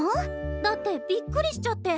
だってびっくりしちゃって。